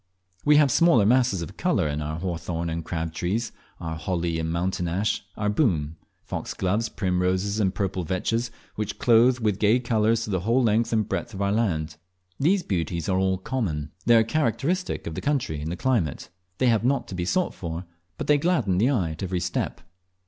We, have smaller masses of colour in our hawthorn and crab trees, our holly and mountain ash, our boom; foxgloves, primroses, and purple vetches, which clothe with gay colours the whole length and breadth of our land, These beauties are all common. They are characteristic of the country and the climate; they have not to be sought for, but they gladden the eye at every step.